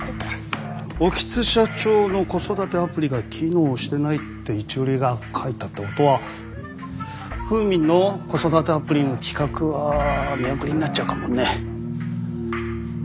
興津社長の子育てアプリが機能してないって一折が書いたってことはフーミンの子育てアプリの企画は見送りになっちゃうかもね。